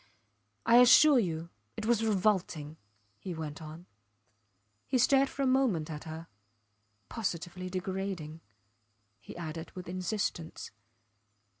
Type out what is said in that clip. I assure you it was revolting, he went on. He stared for a moment at her. Positively degrading, he added with insistence.